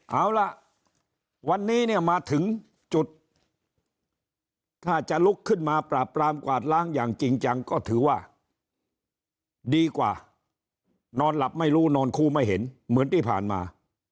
เอาล่ะวันนี้เนี่ยมาถึงจุดถ้าจะลุกขึ้นมาปราบปรามกวาดล้างอย่างจริงจังก็ถือว่าดีกว่านอนหลับไม่รู้นอนคู่ไม่เห็นเหมือนที่ผ่านมา